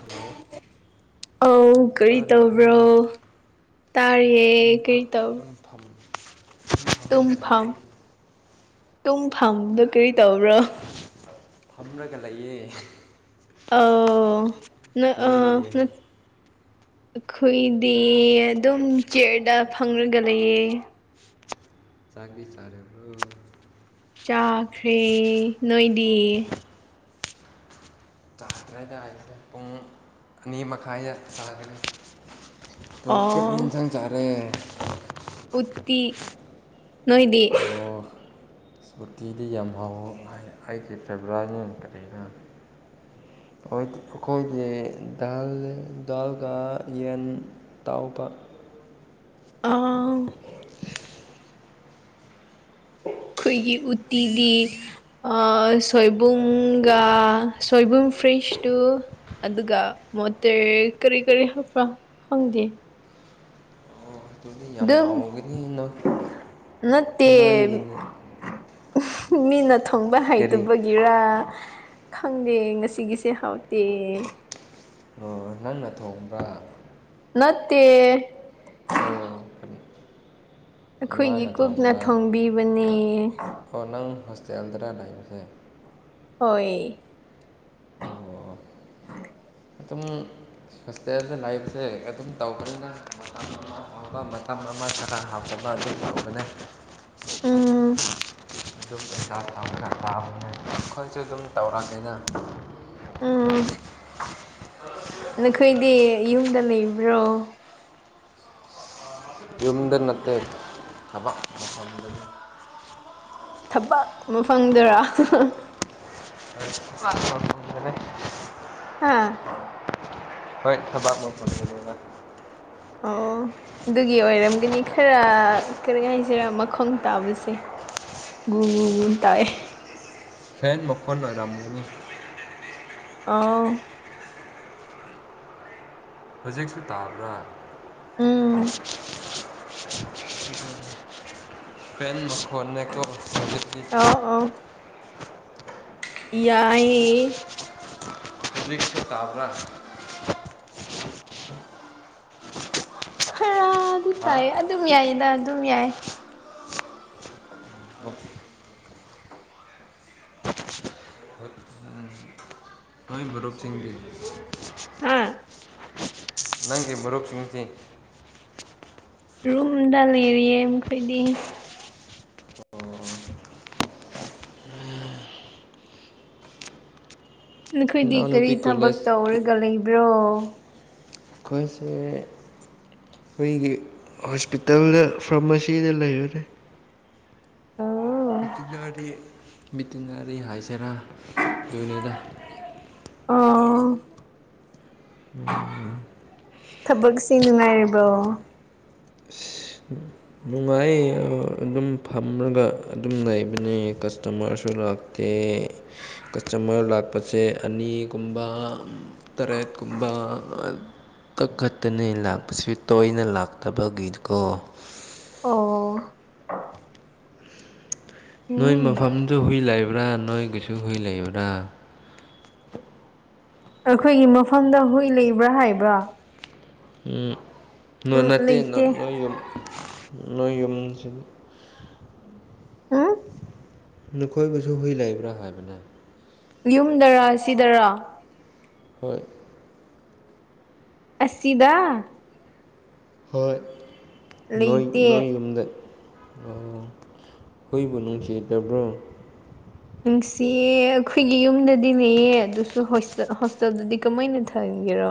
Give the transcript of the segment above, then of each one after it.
Hello ꯑꯧ ꯀꯔꯤ ꯇꯧꯕ꯭ꯔꯣ ꯇꯥꯔꯤꯕ꯭ꯔꯣ ꯇꯥꯏꯌꯦ ꯀꯔꯤ ꯇꯧꯕ꯭ꯔꯣ ꯇꯨꯝꯐꯝ ꯇꯨꯝꯐꯝ ꯇꯨꯝꯐꯝꯗ ꯀꯔꯤ ꯇꯧꯕꯔꯣ ꯐꯝꯂꯒ ꯂꯩꯌꯦ ꯑꯧ ꯅꯣꯏ ꯑ ꯅꯣꯏꯗꯤ ꯑꯩꯈꯣꯏꯗꯤ ꯑꯗꯨꯝ ꯆꯤꯌ꯭ꯔꯗ ꯐꯪꯂꯒ ꯂꯩꯌꯦ ꯆꯥꯛꯗꯤ ꯆꯥꯔꯕꯣ ꯆꯥꯈ꯭ꯔꯦ ꯅꯣꯏꯗꯤ ꯆꯥꯗ꯭ꯉꯥꯏꯗ [unintelligible] ꯍꯥꯏꯈ꯭ꯔꯦ [unintelligible] ꯄꯨꯡ ꯑꯅꯤ ꯃꯈꯥꯏꯗ ꯆꯥꯒꯅꯤ ꯇꯣ [unintelligible] ꯆꯠ ꯑꯣ [unintelligible] ꯌꯦꯡꯁꯥꯡ ꯆꯥꯔꯦ ꯎꯠꯇꯤ ꯅꯣꯏꯗꯤ ꯎꯠꯇꯤꯗꯤ ꯌꯥꯝ ꯍꯥꯎ ꯑꯩꯒꯤ ꯐꯦꯕꯣꯔꯥꯏꯠꯅꯤ ꯀꯔꯤꯅꯣ ꯑ ꯑꯩꯈꯣꯏꯗꯤ ꯗꯥꯜ ꯗꯥꯜꯒ ꯌꯦꯟ ꯇꯥꯎꯕ ꯑ ꯑꯩꯈꯣꯏꯒꯤ ꯈꯣꯏꯒꯤ ꯎꯠꯇꯤꯗꯤ ꯑ ꯁꯣꯏꯕꯨꯝꯒꯥ ꯁꯣꯏꯕꯨꯡꫪꯝ ꯐ꯭ꯔꯦꯁ ꯇꯨ ꯑꯗꯨꯒ ꯃꯣꯠꯇ꯭ꯔ ꯀꯔꯤ ꯀꯔꯤ ꯍꯥꯞꯄ꯭ꯔꯥ ꯈꯪꯗꯦ ꯑꯣ ꯑꯗꯨꯗꯤ ꯌꯥꯝ ꯗꯨꯝ ꯍꯥꯎꯒꯅꯤ ꯅꯣꯏ ꯅꯠꯇꯦ ꯅꯣꯏꯒꯤꯅ ꯃꯤꯅ ꯊꯣꯡꯕ ꯀꯔꯤ ꯍꯩꯇꯕꯒꯤ ꯒꯤꯔꯥ ꯈꯪꯗꯦ ꯉꯁꯤꯒꯤꯁꯦ ꯍꯥꯎꯇꯦ ꯑꯣ ꯅꯪꯅ [unintelligible] ꯊꯣꯡꯕ ꯅꯠꯇꯦ ꯑꯣ ꯑꯩꯈꯣꯏꯒꯤ ꯏꯃꯥꯅ ꯀꯨꯞꯅ ꯊꯣꯡꯕ꯭ꯔꯥ ꯊꯣꯡꯕꯤꯕꯅꯦ ꯑꯣ ꯅꯪ ꯍꯣꯁꯇꯦꯜꯗꯔ ꯂꯩꯥꯕꯁꯦ ꯍꯣꯏ ꯑꯣ ꯑꯗꯨꯝ ꯍꯣꯁꯇꯦꯜ ꯂꯥꯏꯕꯁꯦ ꯑꯗꯨꯝ ꯇꯧꯕꯅꯤꯅ ꯃꯇꯝ ꯑꯃ ꯐꯕ ꯃꯇꯝ ꯑꯃ ꯈꯔ ꯍꯥꯎꯇ ꯃꯥꯗꯤ ꯐꯅꯦ [unintelligible] ꯎꯝ ꯑꯗꯨꯝ ꯄꯩꯁꯥ ꯇ ꯈꯔ ꯇꯥꯕꯅꯦ ꯑꯩꯈꯣꯏꯁꯨ ꯑꯗꯨꯝ ꯇꯧꯔꯛꯑꯦꯗ [unintelligible] ꯎꯝ ꯅꯈꯣꯏꯗꯤ ꯌꯨꯝꯗ ꯂꯩꯕ꯭ꯔꯣ ꯌꯨꯝꯗ ꯅꯠꯇꯦ ꯊꯕꯛ ꯃꯐꯝꯗꯅꯦ ꯊꯕꯛ ꯃꯐꯪꯗꯔꯥ ꯦ [unintelligible] ꯍꯥꯥ ꯍꯣꯏ ꯊꯥꯕꯛ ꯃꯐꯝꯗꯅꯦꯕ ꯑꯣꯎ ꯑꯗꯨꯒꯤ ꯑꯣꯏꯔꯝꯒꯅꯤ ꯈꯔ ꯀꯔꯤ ꯍꯥꯏꯁꯤꯔ ꯃꯈꯣꯡ ꯇꯥꯕꯁꯦ ꯒꯨꯡ ꯒꯨꯡ ꯇꯥꯏꯌꯦ ꯐꯦꯟ ꯃꯈꯣꯟ ꯑꯣꯏꯔꯝꯒꯅꯤ ꯑꯥꯎ ꯍꯧꯖꯤꯛꯁꯨ ꯇꯥꯕ꯭ꯔꯥ ꯎꯝ ꯐꯦꯟ ꯃꯈꯣꯟ ꯅꯦꯀꯣ ꯍꯧꯖꯤꯛꯇꯤ ꯑꯣ ꯌꯥꯏ ꯍꯨꯖꯤꯛꯁꯨ ꯇꯥꯕ꯭ꯔꯥ ꯈꯔ ꯑꯗꯨ ꯍꯥ ꯇꯥꯏ ꯑꯗꯨꯝ ꯌꯥꯏꯗ ꯑꯗꯨꯝ ꯌꯥꯏ ꯅꯣꯏ ꯃꯔꯨꯞꯁꯤꯡꯗꯤ ꯍꯥ ꯅꯪꯒꯤ ꯃꯔꯨꯞ ꯁꯤꯡꯗꯤ ꯔꯨꯝꯗ ꯂꯩꯔꯤꯌꯦ ꯃꯈꯣꯏꯗꯤ ꯅꯈꯣꯏꯗꯤ ꯀꯔꯤ ꯏꯅꯥꯎꯅꯨꯄꯤ ꯊꯕꯛ ꯀꯣꯂꯦꯖ ꯇꯧꯔꯒ ꯂꯩꯕ꯭ꯔꯣ ꯈꯣꯏꯁꯦ ꯈꯣꯏꯒꯤ ꯍꯣꯁꯄꯤꯇꯥꯜꯗ ꯐꯥꯔꯃꯥꯁꯤꯗ ꯂꯩꯕꯅꯦ ꯑꯣ ꯇꯤꯟꯅꯔꯤ ꯕꯤꯇꯤꯟꯅꯔꯤ ꯍꯥꯏꯁꯤꯔꯥ ꯑꯗꯨꯣꯏꯅꯦꯗ ꯑꯣ ꯊꯕꯛꯁꯤ ꯅꯨꯡꯉꯥꯏꯔꯤꯕꯣ ꯅꯨꯡꯉꯥꯏ ꯑꯗꯨꯝ ꯐꯝꯔꯒ ꯑꯗꯨꯝ ꯂꯩꯕꯅꯦ ꯀꯁꯇꯃꯔꯁꯨ ꯂꯥꯛ ꯇꯦ ꯀꯁꯇꯃꯔ ꯂꯥꯛꯄꯁꯦ ꯑꯅꯤꯒꯨꯝꯕ ꯇꯔꯦꯠ ꯀꯨꯝꯕ ꯀꯛꯈꯠꯇꯅ ꯂꯥꯛꯄꯁꯤ ꯇꯣꯏꯅ ꯂꯥꯛꯇꯕꯒꯤꯀꯣ ꯑꯣ ꯅꯣꯏ ꯎꯝ ꯃꯐꯝꯗꯨ ꯍꯨꯏ ꯂꯩꯕ꯭ꯔꯥ ꯅꯣꯏꯒꯤꯁꯨ ꯍꯨꯏ ꯂꯩꯕ꯭ꯔꯥ ꯑꯩꯈꯣꯏꯒꯤ ꯃꯐꯝꯗ ꯍꯨꯏ ꯂꯩꯕ꯭ꯔꯥ ꯍꯥꯏꯕ꯭ꯔꯥ ꯎꯝ ꯅꯣꯏ ꯎꯝ ꯅꯠꯇꯦ ꯂꯩꯇꯦ ꯅꯣꯏ ꯅꯣꯏ ꯌꯨꯝ ꯅꯣꯏ ꯌꯨꯝꯁꯤ ꯎꯝ ꯅꯈꯣꯏꯕꯨꯁꯨ ꯍꯨꯏ ꯂꯩꯕ꯭ꯔꯥ ꯍꯥꯏꯕꯅꯦ ꯌꯨꯝꯗꯔꯥ ꯁꯤꯗꯔꯥ ꯍꯣꯏ ꯑꯁꯤꯗ ꯍꯣꯏ ꯅꯣꯏ ꯅꯣꯏ ꯂꯩꯇꯦ ꯌꯨꯝꯗ ꯑꯣ ꯍꯨꯏꯕꯨ ꯅꯨꯡꯁꯤꯇꯔꯕ꯭ꯔꯣ ꯅꯨꯡꯁꯤꯌꯦ ꯑꯈꯣꯏꯒꯤ ꯌꯨꯝꯗꯗꯤ ꯅꯦꯌꯦ ꯑꯗꯨꯁꯨ ꯍꯣꯏꯁꯇ ꯍꯣꯁꯇꯦꯜꯗꯗꯤ ꯀꯃꯥꯏꯅ ꯊꯍꯒꯦꯔꯣ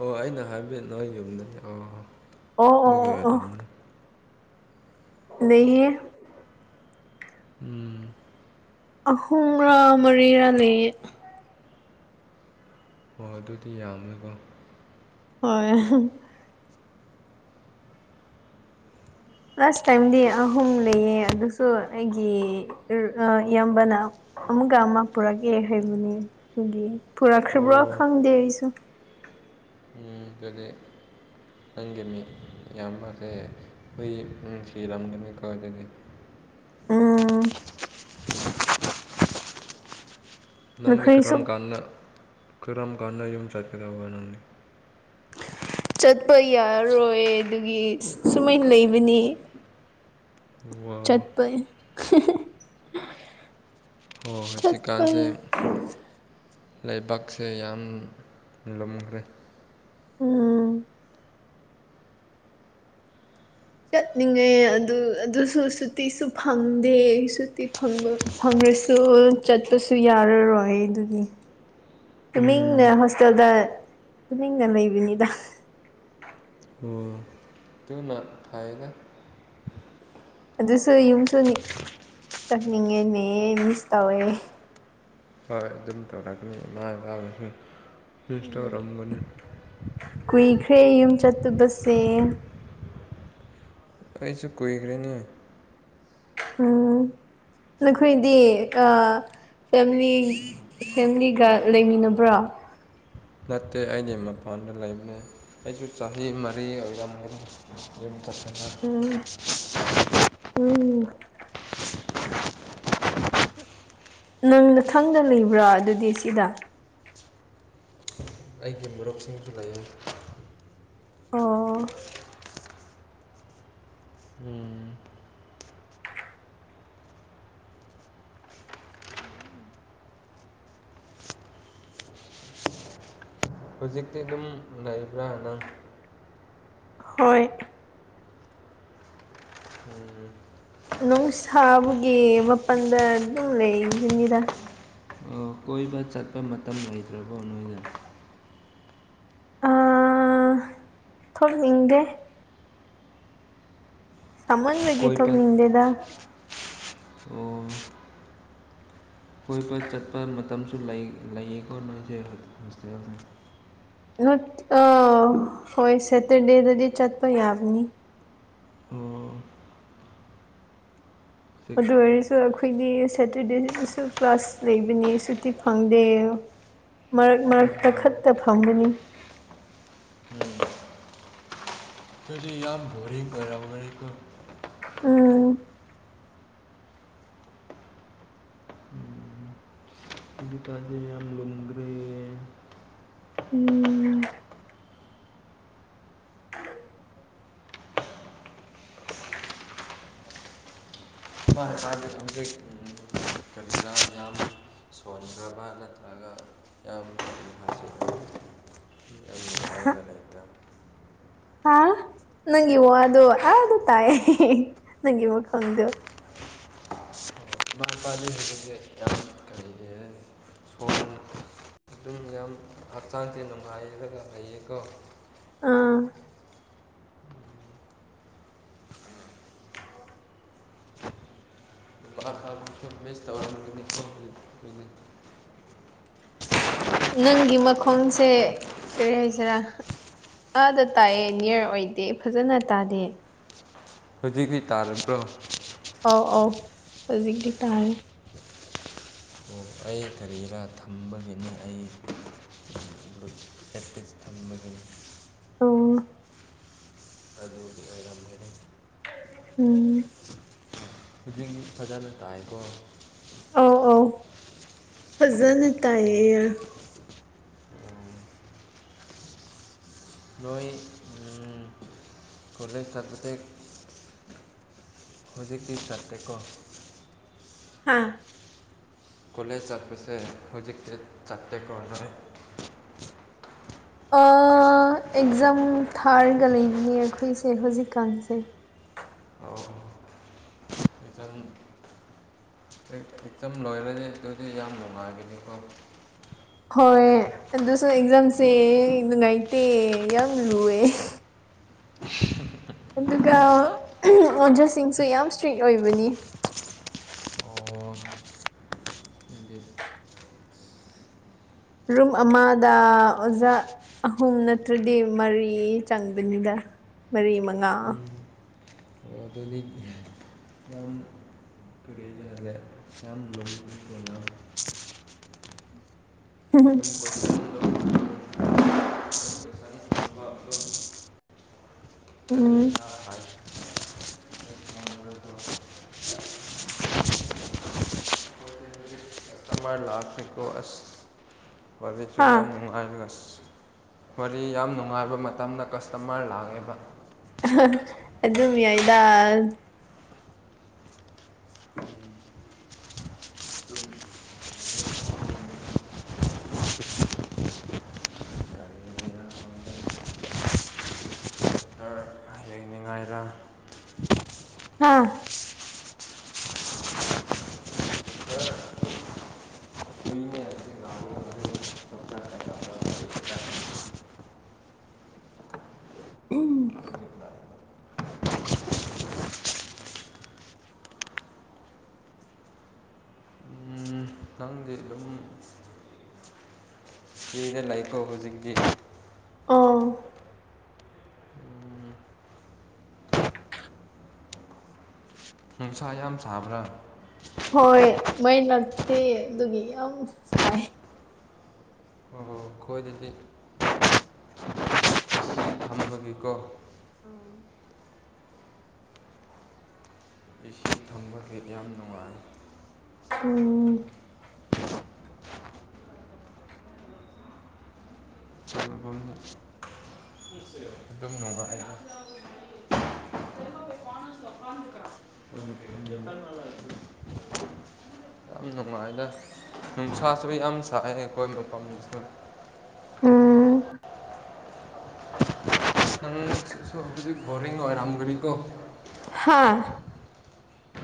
ꯑꯣ ꯑꯩꯅ ꯍꯥꯏꯐꯠ ꯅꯣꯏ ꯌꯨꯝꯗꯗꯤ ꯑꯣ ꯑꯣ ꯑꯣ ꯑꯗꯨꯒꯤ ꯑꯣ ꯑꯣ ꯑꯣꯏꯔꯝꯅꯤ ꯂꯩꯌꯦ ꯎꯝ ꯑꯍꯨꯝꯔꯥ ꯃꯔꯤꯔꯥ ꯂꯩꯌꯦ ꯍꯣꯏ ꯑꯗꯨꯗꯤ ꯌꯥꯝꯃꯦꯀꯣ ꯍꯣꯏ ꯂꯥꯁ ꯇꯥꯏꯝꯗꯤ ꯑꯍꯨꯝ ꯂꯩꯌꯦ ꯑꯗꯨꯁꯨ ꯑꯩꯒꯤ ꯑꯔ ꯑ ꯏꯌꯥꯝꯕꯅ ꯑꯃꯨꯛꯒ ꯑꯃ ꯄꯨꯔꯛꯑꯦ ꯍꯥꯏꯕꯅꯦ ꯑꯗꯨꯒꯤ ꯄꯨꯔꯛꯈ꯭ꯔꯤꯕ꯭ꯔꯣ ꯑꯣ ꯈꯪꯗꯦ ꯑꯩꯁꯨ ꯎ ꯀꯔꯤ ꯅꯪꯒꯤꯅꯤ ꯌꯥꯝꯕꯁꯦ ꯍꯨꯏ ꯅꯨꯡꯁꯤꯔꯝꯒꯅꯤꯀꯣ ꯑꯗꯨꯗꯤ ꯎꯝ ꯅꯪꯅꯤ ꯅꯈꯣꯏꯁꯨ ꯀꯔꯝ ꯀꯥꯟꯅ ꯀꯔꯝ ꯀꯥꯟꯅ ꯌꯨꯝ ꯆꯠꯀ ꯗꯧꯕ ꯅꯪꯅꯤ ꯆꯠꯄ ꯌꯥꯔꯣꯏ ꯑꯗꯨꯒꯤ ꯁꯨꯃꯥꯏ ꯂꯩꯕꯅꯤ ꯋꯥ ꯆꯠꯄꯩ ꯍꯣ ꯍꯧꯖꯤꯛꯀꯥꯟꯁꯦ ꯂꯩꯕꯥꯛꯁꯦ ꯌꯥꯝ ꯂꯨꯝꯈ꯭ꯔꯦ ꯎꯝ ꯆꯠꯅꯤꯡꯉꯦ ꯑꯗꯨ ꯑꯗꯨꯁꯨ ꯁꯨꯇꯤꯁꯨ ꯐꯪꯗꯦ ꯁꯨꯇꯤ ꯐꯪꯕ ꯐꯪꯔꯁꯨ ꯆꯠꯄꯁꯨ ꯌꯥꯔꯔꯣꯏ ꯑꯗꯨꯒꯤ ꯇꯨꯃꯤꯡꯅ ꯎꯝ ꯍꯣꯁꯇꯦꯜꯗ ꯇꯨꯃꯤꯡꯅ ꯂꯩꯕꯅꯤꯗ ꯑꯣ ꯇꯨꯅ ꯐꯩꯗ ꯑꯗꯨꯁꯨ ꯌꯨꯝꯁꯨꯅꯤ ꯆꯠꯅꯤꯡꯉꯦꯅꯦ ꯃꯤꯁ ꯇꯧꯋꯦ ꯍꯣꯏ ꯑꯗꯨꯝ ꯇꯧꯔꯛꯅꯤ ꯃꯥꯥꯏ ꯏꯄꯕꯨꯁꯨ ꯐꯁ ꯇꯧꯔꯝꯒꯅꯤ ꯀꯨꯏꯈ꯭ꯔꯦ ꯌꯨꯝ ꯆꯠꯇꯕꯁꯦ ꯑꯩꯁꯨ ꯀꯨꯏꯈ꯭ꯔꯦꯅꯦ ꯎꯝ ꯅꯈꯣꯏꯗꯤ ꯑ ꯐꯦꯝꯂꯤ ꯐꯦꯝꯂꯤꯒ ꯂꯩꯃꯤꯟꯅꯕ꯭ꯔꯥ ꯅꯠꯇꯦ ꯑꯩꯗꯤ ꯃꯄꯥꯟꯗ ꯂꯩꯕꯅꯦ ꯑꯩꯁꯨ ꯆꯍꯤ ꯃꯔꯤ ꯑꯣꯏꯔꯝꯒꯅꯤ ꯌꯨꯝ ꯆꯠꯇꯕ ꯎꯝ ꯎꯝ ꯅꯪ ꯅꯊꯪꯗ ꯂꯩꯕ꯭ꯔꯥ ꯑꯗꯨꯗꯤ ꯁꯤꯗ ꯑꯩꯒꯤ ꯃꯔꯨꯞꯁꯤꯡꯁꯨ ꯂꯩꯌꯦ ꯑꯣ ꯎꯝ ꯎꯝ ꯍꯧꯖꯤꯛꯇꯤ ꯑꯗꯨꯝ ꯂꯩꯕ꯭ꯔꯥ ꯅꯪ ꯍꯣꯏ ꯎꯝ ꯅꯨꯡ ꯁꯥꯥꯕꯒꯤ ꯃꯄꯥꯟꯗ ꯑꯗꯨꯝ ꯂꯩꯕꯅꯤꯗ꯫ ꯑꯣ ꯀꯣꯏꯕ ꯆꯠꯄ ꯃꯇꯝ ꯂꯩꯗ꯭ꯔꯕꯣ ꯅꯣꯏꯗ ꯑ ꯊꯣꯛꯅꯤꯡꯗꯦ ꯁꯥꯃꯟꯕꯒꯤ ꯀꯣꯏꯕ ꯊꯣꯛꯅꯤꯡꯗꯦꯗ ꯑꯣ ꯀꯣꯏꯕ ꯆꯠꯄ ꯃꯇꯝꯁꯨ ꯂꯩ ꯂꯩꯌꯦꯀꯣ ꯅꯣꯏꯁꯦ ꯍꯣꯁꯇꯦꯜꯁꯦ꯫ ꯅꯠ ꯑ ꯍꯣꯏ ꯁꯦꯇꯔꯗꯦꯗꯗꯤ ꯆꯠꯄ ꯌꯥꯕꯅꯤ꯫ ꯑꯣ ꯍꯧꯖꯤꯛ ꯑꯗꯨ ꯑꯣꯏꯔꯁꯨ ꯑꯩꯈꯣꯏꯗꯤ ꯁꯦꯇꯔꯗꯦꯁꯤꯗꯁꯨ ꯀ꯭ꯂꯥꯁ ꯂꯩꯕꯅꯤ ꯁꯨꯇꯤ ꯐꯪꯗꯦ꯫ ꯃꯔꯛ ꯎꯝ ꯃꯔꯛꯇ ꯈꯠꯇ ꯐꯪꯕꯅꯤ꯫ ꯎꯝ ꯑꯗꯨꯗꯤ ꯌꯥꯝ ꯕꯣꯔꯤꯡ ꯑꯣꯏꯔꯝꯒꯅꯤꯀꯣ꯫ ꯎꯝ ꯑꯗꯨꯇꯥꯔꯗꯤ ꯌꯥꯝ [unintelligible] ꯎꯝ [unintelligible] [unintelligible] ꯁꯣꯟꯈ꯭ꯔꯕ ꯅꯠꯇ꯭ꯔꯒ ꯌꯥꯝ [unintelligible] [unintelligible] ꯍꯥ ꯅꯪꯒꯤ ꯋꯥꯗꯣ ꯑꯥꯗ ꯇꯥꯏꯌꯦ ꯅꯪꯒꯤ ꯃꯈꯣꯟꯗꯨ [unintelligible] ꯁꯣꯟ ꯑꯗꯨꯝ ꯌꯥꯝ ꯍꯛꯆꯥꯡꯁꯦ ꯅꯨꯡꯉꯥꯏꯔꯒ ꯂꯩ ꯌꯦꯀꯣ ꯑꯥ [unintelligible] ꯃꯤꯁ ꯇꯧꯔꯝꯒꯅꯤꯀꯣ [unintelligible] ꯅꯪꯒꯤ ꯃꯈꯣꯡꯁꯦ ꯀꯔꯤ ꯍꯥꯏꯁꯦꯔꯥ ꯑꯥꯗ ꯇꯥꯏꯑꯦ ꯅꯤꯌꯔ ꯑꯣꯏꯗꯦ ꯐꯖꯅ ꯇꯥꯗꯦ꯫ ꯍꯧꯖꯤꯛꯗꯤ ꯇꯥꯔꯕ꯭ꯔꯣ? ꯑꯧ ꯑꯧ ꯍꯧꯖꯤꯛꯇꯤ ꯇꯥꯔꯦ ꯑꯣ ꯑꯩ ꯀꯔꯤꯔ ꯊꯝꯕꯒꯤꯅꯤ ꯑꯩ [unintelligible] ꯊꯝꯕꯒꯤꯅꯤ ꯑꯣ ꯑꯗꯨꯒꯤ ꯑꯣꯏꯔꯝꯒꯅꯤ ꯎꯝ [unintelligible] ꯐꯖꯅ ꯇꯥꯏꯀꯣ ꯑꯧ ꯑꯧ ꯐꯖꯅ ꯑꯣ ꯇꯥꯏꯌꯦ ꯌꯥ ꯅꯣꯏ ꯎꯝ ꯀꯣꯂꯦꯖ ꯆꯠꯄꯁꯦ ꯍꯨꯖꯤꯛꯀꯤ ꯆꯠꯇꯦꯀꯣ ꯍꯥꯥ ꯀꯣꯂꯦꯁ ꯆꯠꯄꯁꯦ ꯍꯨꯖꯤꯛꯇꯤ ꯆꯠꯇꯦꯀꯣ ꯅꯣꯏ ꯑ ꯑꯦꯛꯖꯥꯝ ꯊꯥꯔꯒ ꯂꯩꯕꯅꯦ ꯑꯩꯈꯣꯏꯁꯦ ꯍꯧꯖꯤꯛꯀꯥꯟꯁꯦ ꯑꯣ [inaudible] ꯂꯥꯏꯔꯤꯛꯇꯝ ꯂꯣꯏꯔꯗꯤ ꯑꯗꯨꯗꯤ ꯌꯥꯝ ꯅꯨꯡꯉꯥꯏꯕꯅꯤꯀꯣ ꯍꯣꯏ ꯑꯗꯨꯁꯨ ꯑꯦꯛꯖꯥꯝꯁꯦ ꯅꯨꯡꯉꯥꯏꯇꯦ ꯌꯥꯝ ꯂꯨꯋꯦ꯫ ꯑꯗꯨꯒ ꯑꯍꯨꯡ ꯑꯣꯖꯥꯁꯤꯡꯁꯨ ꯌꯥꯝ ꯏꯁꯇ꯭ꯔꯤꯛ ꯑꯣꯏꯕꯅꯤ INAUDIBLE ꯔꯨꯝ ꯑꯃ ꯗꯥ ꯑꯣꯖꯥ ꯑꯍꯨꯝ ꯅꯠꯇ꯭ꯔꯗꯤ ꯃꯔꯤ ꯆꯪꯒꯅꯤꯗ ꯃꯔꯤ ꯃꯉꯥ ꯑꯣꯑꯣ ꯑꯗꯨꯗꯤ ꯃꯔꯝ UNINTELLIGIBLE INAUDIBLE ꯎꯪꯎꯪ ꯑꯥ ꯍꯣꯏ UNINTELLIGIBLE ꯍꯧꯖꯤꯛꯁꯨ ꯌꯥꯝ ꯍꯥ ꯅꯨꯡꯉꯥꯏ ꯑꯁ ꯐꯔꯤꯌꯥꯝ ꯅꯨꯡꯉꯥꯏꯕ ꯃꯇꯝꯗ ꯀꯁꯇꯃꯔ ꯂꯥꯛꯑꯦꯕ ꯑꯍꯥ ꯑꯗꯨ ꯌꯥꯏꯗ ꯁꯥꯔ ꯌꯦꯡꯅꯤꯡꯉꯥꯏꯔ ꯍꯥ ꯎꯝ ꯎꯪꯎꯪ ꯈꯪꯗꯦ ꯑꯗꯨꯝ ꯁꯤꯔ ꯂꯩ ꯑꯧ ꯍꯧꯖꯤꯛꯀꯤ ꯑꯧ ꯅꯨꯡꯁꯥ ꯌꯥꯝ ꯁꯥꯕ꯭ꯔꯥ ꯍꯣꯏ ꯃꯩ ꯂꯥꯛꯇꯦ ꯑꯗꯨꯒꯤ ꯌꯥꯝ ꯁꯥꯏ UNINTELLIGIBLE ꯑꯥꯎ UNINTELLIGIBLE UNINTELLIGIBLE INAUDIBLE UNINTELLIGIBLE UNINTELLIGIBLE ꯌꯥꯝ ꯅꯨꯡꯉꯥꯏꯅ ꯅꯨꯡꯁꯥꯁꯨ ꯌꯥꯝ ꯁꯥꯏꯑꯦ ꯑꯩꯈꯣꯏ ꯃꯐꯝꯗꯨꯁꯨ ꯎꯪ UNINTELLIGIBLE ꯍꯥ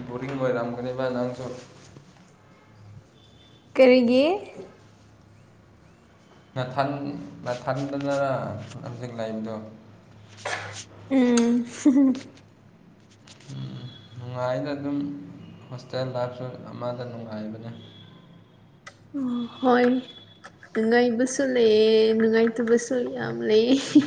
ꯕꯣꯔꯤꯡ ꯑꯣꯏꯔꯝꯒꯅꯤꯕ ꯅꯪꯖꯨ ꯀꯔꯤꯒꯤ ꯅꯥꯊꯟ ꯅꯥꯊꯟꯗꯅ ꯂꯝꯖꯤ ꯂꯩꯕꯗꯣ ꯎꯝ ꯍꯨꯝ꯬꯬ ꯅꯨꯡꯉꯥꯏꯅ ꯑꯗꯨꯝ ꯍꯣꯁꯇꯦꯜ ꯗꯁꯨ ꯑꯃꯗ ꯅꯨꯡꯉꯥꯏꯕꯅꯦ ꯎꯝ ꯍꯣꯏ ꯅꯨꯡꯉꯥꯏꯕꯁꯨ ꯂꯩꯑꯦ ꯅꯨꯡꯉꯥꯏꯇꯕꯁꯨ ꯌꯥꯝ ꯂꯩꯌꯦ